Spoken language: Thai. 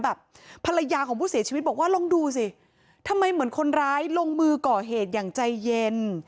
ภรรยาของผู้เสียชีวิตบอกว่าลองดูสิทำไมเหมือนคนร้ายลงมือก่อเหตุอย่างใจเย็น